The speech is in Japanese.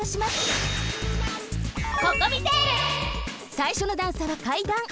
さいしょの段差はかいだん。